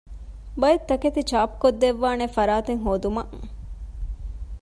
ބައެއް ތަކެތި ޗާޕުކޮށްދެއްވާނެ ފަރާތެއް ހޯދުމަށް